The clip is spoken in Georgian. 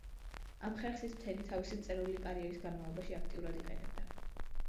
ამ ხერხს ის მთელი თავისი მწერლური კარიერის განმავლობაში აქტიურად იყენებდა.